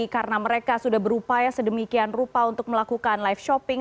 karena mereka sudah berupaya sedemikian rupa untuk melakukan live shopping